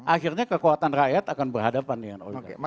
akhirnya kekuatan rakyat akan berhadapan dengan oligarki